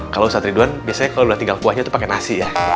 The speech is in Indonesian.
kalau ustadz ridwan biasanya kalau udah tinggal kuahnya itu pakai nasi ya